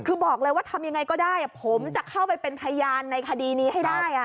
คือบอกเลยว่าทำยังไงก็ได้ผมจะเข้าไปเป็นพยานในคดีนี้ให้ได้